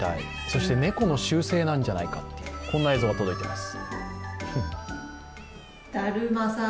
そして猫の習性なんじゃないかという、こんな映像が届いています。